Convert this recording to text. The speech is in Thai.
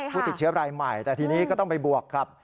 ผู้ติดเชื้อรายใหม่แต่ทีนี้ก็ต้องไปบวกกับ